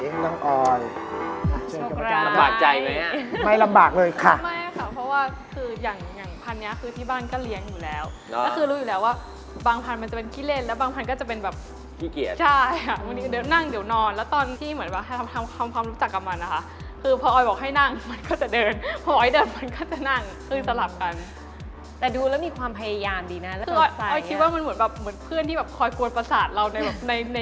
น้องออยช่วยกันมากช่วยกันมากช่วยกันมากช่วยกันมากช่วยกันมากช่วยกันมากช่วยกันมากช่วยกันมากช่วยกันมากช่วยกันมากช่วยกันมากช่วยกันมากช่วยกันมากช่วยกันมากช่วยกันมากช่วยกันมากช่วยกันมากช่วยกันมากช่วยกันมากช่วยกันมากช่วยกันมากช่วยกันมากช่วยกันมากช่วยกัน